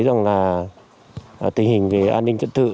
tình hình về an ninh trật tự